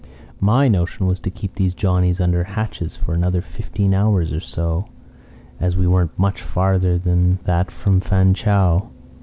"My notion was to keep these Johnnies under hatches for another fifteen hours or so; as we weren't much farther than that from Fu chau.